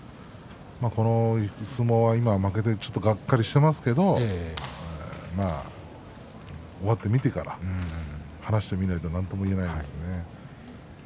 この相撲、今、負けてがっかりしていますけれども終わってみてから話してみないとなんとも言えないですね。